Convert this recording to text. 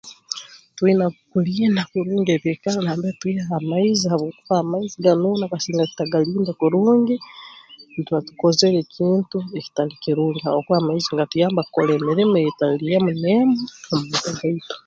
Twine kulinda kurungi ebiikaro nambere twiha amaizi habwokuba amaizi ganuuna kasinga tutagalinda kurungi ntuba tukozere ekintu ekitali kirungi habwokuba amaizi ngatuyamba kukora emirimo eyeetali emu n'emu mu maka gaitu